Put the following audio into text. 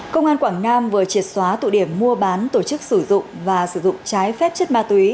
công an quảng nam vừa triệt xóa tụ điểm mua bán tổ chức sử dụng và sử dụng trái phép chất ma túy